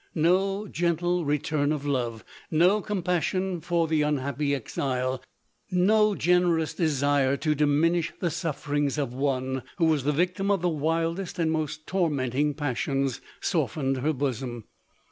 No gentle return of love, no compassion for the unhappy exile — no gene rous desire to diminish the sufferings of one, who was the victim of the wildest and most tor menting passions, softened her bosom.